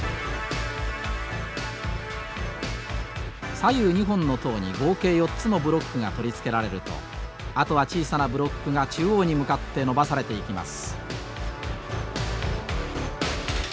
左右２本の塔に合計４つのブロックが取り付けられるとあとは小さなブロックが中央に向かって延ばされていきます。